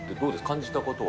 感じたことは？